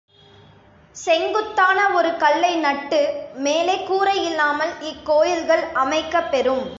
செங்குத்தான ஒரு கல்லை நட்டு, மேலே கூரையில்லாமல் இக் கோயில்கள் அமைக்கப் பெறும்.